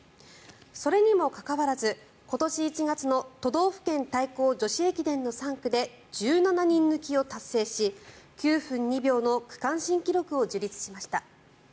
それにもかかわらず今年１月の都道府県対抗女子駅伝の３区で１７人抜きを達成し９分２秒の区間新記録を樹立しました。